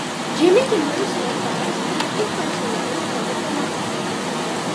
Jimmy Kimmel served as creative consultant for the format.